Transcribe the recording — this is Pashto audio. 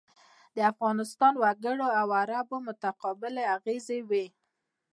د افغانستان وګړو او عربو متقابلې اغېزې وې.